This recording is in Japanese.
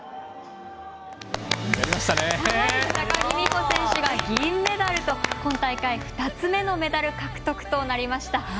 高木美帆選手が銀メダルと今大会２つ目のメダル獲得となりました。